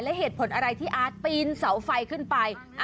และเหตุผลอะไรที่อาร์ตปีนเสาไฟขึ้นไป